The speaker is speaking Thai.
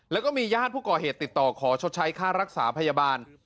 แล้วก็มีญาติผู้ก่อเหตุติดต่อขอชดใช้ค่ารักษาพยาบาล